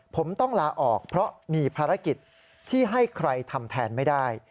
ผมต้องลาออกเพราะมีภารกิจที่ให้ใครทำแทนไม่ได้